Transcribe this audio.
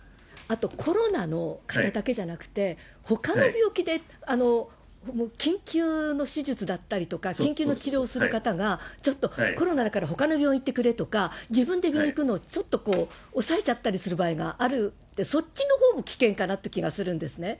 コロナの方だけじゃなくて、ほかの病気で緊急の手術だったりとか、緊急の治療する方がちょっとコロナだからほかの病院行ってくれとか、自分で病院行くの、ちょっと抑えちゃったりする場合がある、そっちのほうも危険かなっていう気がするんですね。